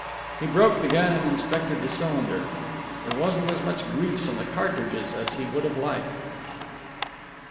He broke the gun and inspected the cylinder. There wasn't as much grease on the cartridges as he would have liked.